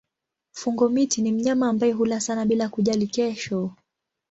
Fungo-miti ni mnyama ambaye hula sana bila kujali kesho.